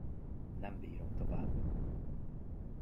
Nem bírom tovább!